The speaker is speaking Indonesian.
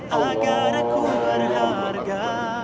agar aku berharga